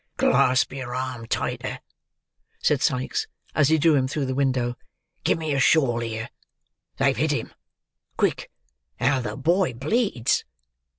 "Clasp your arm tighter," said Sikes, as he drew him through the window. "Give me a shawl here. They've hit him. Quick! How the boy bleeds!"